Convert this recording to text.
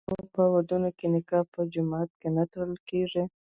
آیا د پښتنو په واده کې نکاح په جومات کې نه تړل کیږي؟